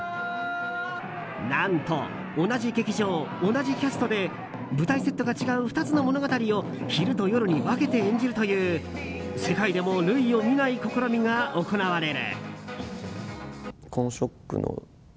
何と同じ劇場、同じキャストで舞台セットが違う２つの物語を昼と夜に分けて演じるという世界でも類を見ない試みが行われる。